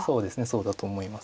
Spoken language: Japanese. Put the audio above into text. そうだと思います。